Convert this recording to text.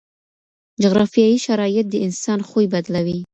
جغرافیایي شرایط د انسان خوی بدلوي.